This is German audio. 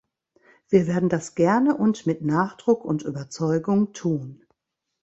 Wir werden das gerne und mit Nachdruck und Überzeugung tun.